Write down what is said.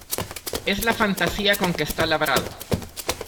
es la fantasía con que está labrado.